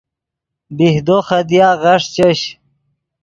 بیہدو خدیا غیݰ چش